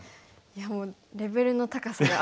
いやもうレベルの高さが。